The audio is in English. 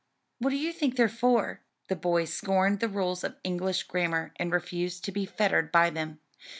Who do you think they're for?" (The boys scorned the rules of English grammar, and refused to be fettered by them.